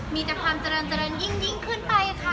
มีแต่ความเจริญยิ่งขึ้นไปนะคะ